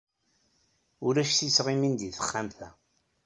Ulac tisɣimin deg texxamt-a.